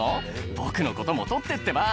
「僕のことも撮ってってば」